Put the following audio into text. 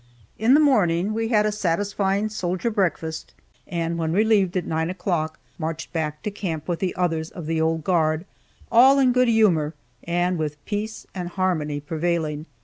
In the morning we had a satisfying soldier breakfast, and when relieved at 9 o'clock marched back to camp with the others of the old guard, all in good humor, and with "peace and harmony prevailing."